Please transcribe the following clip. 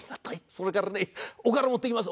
それからねおから持ってきます